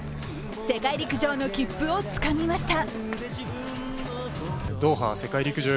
世界陸上の切符をつかみました。